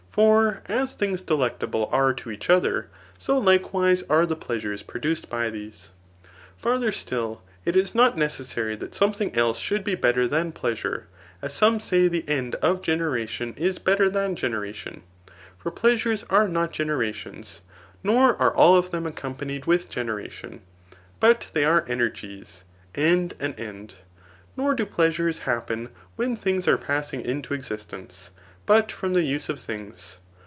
For as things delectable are to each other, so likewise are the [Measures produced by these. Farther sdll, it is not necessary that something else should be better dian pleasure^ as some say the end of genera* tion is better than generation ; for pleasures arenot gene rations, nor are all of them accompanied with generation^, but diey are energies, and an end. Nor do pleasures happen when things are passing into existence, but from: die use of things.